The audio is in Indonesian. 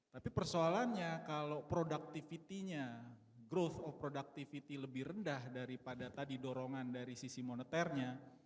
tapi persoalannya kalau productivity nya growth of productivity lebih rendah daripada tadi dorongan dari sisi moneternya